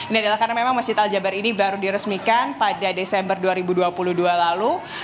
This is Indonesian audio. ini adalah karena memang masjid al jabar ini baru diresmikan pada desember dua ribu dua puluh dua lalu